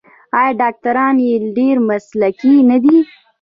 آیا ډاکټران یې ډیر مسلکي نه دي؟